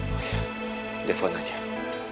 masih gak aktif